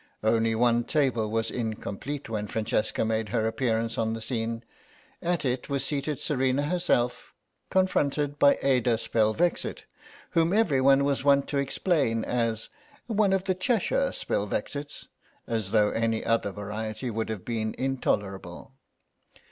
Only one table was incomplete when Francesca made her appearance on the scene; at it was seated Serena herself, confronted by Ada Spelvexit, whom everyone was wont to explain as "one of the Cheshire Spelvexits," as though any other variety would have been intolerable.